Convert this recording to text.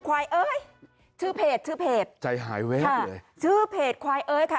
ควายเอ้ยชื่อเพจชื่อเพจใจหายเวทเลยชื่อเพจควายเอ้ยค่ะ